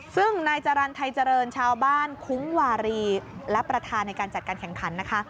ซึ่งนายจรรย์ไทยเจริญชาวบ้านคุ้งวารีและประธานในการจัดการแข่งขันนะคะ